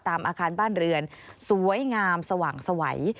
อาคารบ้านเรือนสวยงามสว่างสวัย